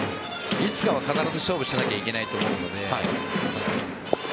いつかは必ず勝負しないといけないと思うので。